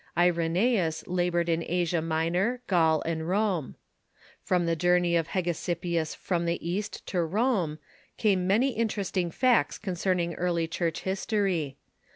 Irenreus labored in Asia Minor, Gaul, and Rome. From the journey of Hegesippus from the East to Rome came many interesting facts concerning early Church history.